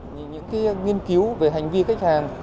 những nghiên cứu về hành vi khách hàng